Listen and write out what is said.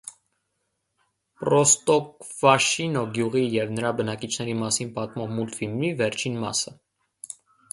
Պրոստոկվաշինո գյուղի և նրա բնակիչների մասին պատմող մուլտֆիլմի վերջին մասը։